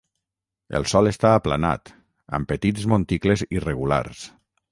El sòl està aplanat, amb petits monticles irregulars.